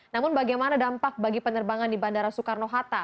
namun bagaimana dampak bagi penerbangan di bandara soekarno hatta